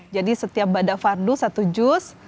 jadi setiap badafardu satu juz